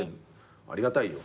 ありがたいよ